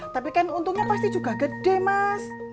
tapi kan untungnya pasti juga gede mas